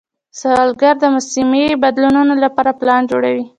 سوداګر د موسمي بدلونونو لپاره پلان جوړوي.